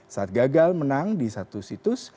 saat gagal menang di satu situs